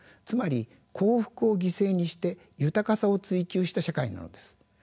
つまり幸福を犠牲にして豊かさを追求した社会なのです。